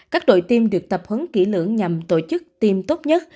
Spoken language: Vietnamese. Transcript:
các đội tiêm được tập huấn kỹ lưỡng nhằm tổ chức tiêm tốt nhất